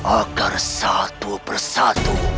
agar satu persatu